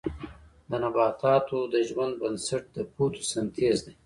د نباتاتو د ژوند بنسټ د فوتوسنتیز دی